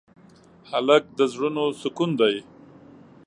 هلک د زړونو سکون دی.